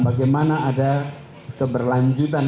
bagaimana ada keberlanjutan